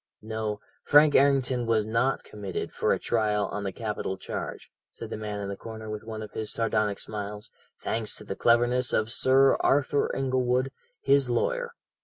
"No; Frank Errington was not committed for trial on the capital charge," said the man in the corner with one of his sardonic smiles, "thanks to the cleverness of Sir Arthur Inglewood, his lawyer.